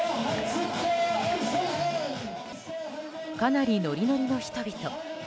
かなりノリノリの人々。